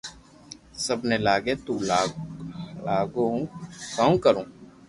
آپ ني لاگي تو لاگو ھون ڪاو ڪرو